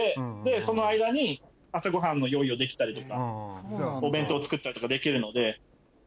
その間に朝ごはんの用意をできたりとかお弁当作ったりとかできるので。